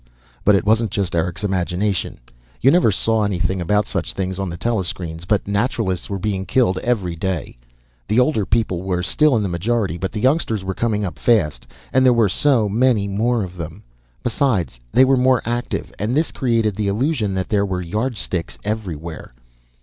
But it wasn't just Eric's imagination. You never saw anything about such things on the telescreens, but Naturalists were being killed every day. The older people were still in the majority, but the youngsters were coming up fast. And there were so many more of them. Besides, they were more active, and this created the illusion that there were Yardsticks everywhere.